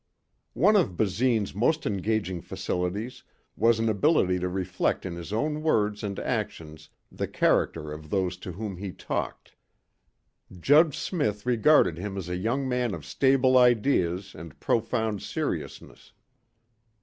One of Basine's most engaging facilities was an ability to reflect in his own words and actions the character of those to whom he talked. Judge Smith regarded him as a young man of stable ideas and profound seriousness.